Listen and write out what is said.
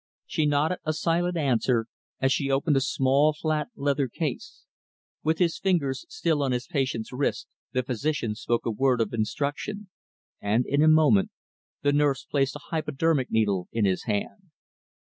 She nodded a silent answer, as she opened a small, flat, leather case. With his fingers still on his patient's wrist, the physician spoke a word of instruction; and, in a moment, the nurse placed a hypodermic needle in his hand.